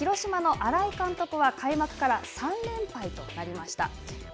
このうち広島の新井監督は、開幕から３連敗となりました。